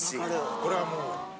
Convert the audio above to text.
これはもう。